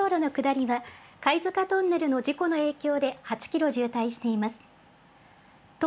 京葉道路の下りは貝塚トンネルの事故の影響で８キロ渋滞しています。